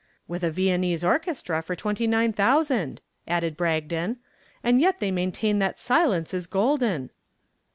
"With a Viennese orchestra for twenty nine thousand!" added Bragdon. "And yet they maintain that silence is golden."